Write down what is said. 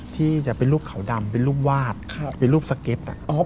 ที่จะเป็นรูปเขาดำเป็นรูปวาดเป็นรูปสเก็ต